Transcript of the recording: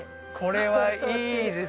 これはいいです。